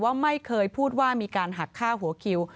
ว่าไม่เคยพูดว่ามีการหักฆ่าหัวคิว